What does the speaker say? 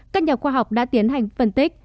các nhà khoa học đã tiến hành phân tích